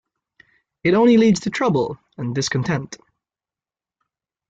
It only leads to trouble and discontent.